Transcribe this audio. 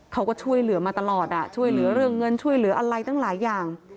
เขาก็ช่วยเหลือมาตลอดช่วยเหลือเรื่องเงินช่วยเหลืออะไรตั้งหลายอย่าง